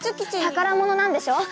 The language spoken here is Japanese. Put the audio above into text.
宝物なんでしょ？